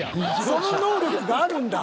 その能力があるんだ。